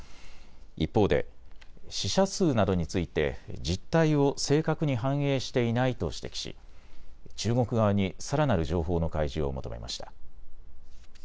一方で死者数などについて実態を正確に反映していないと指摘し中国側にさらなる情報の開示を求めました。